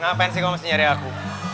ngapain sih kamu mesti nyari aku